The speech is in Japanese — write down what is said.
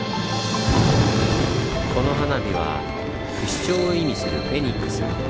この花火は不死鳥を意味する「フェニックス」。